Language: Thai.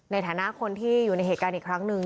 ในฐานะคนที่อยู่ในเหตุการณ์อีกครั้งหนึ่ง